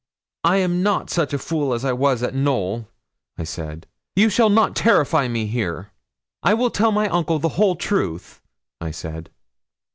'I am not such a fool as I was at Knowl,' I said; 'you shall not terrify me here. I will tell my uncle the whole truth,' I said.